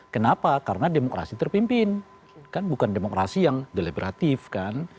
kenapa karena demokrasi terpimpin kan bukan demokrasi yang deliberatif kan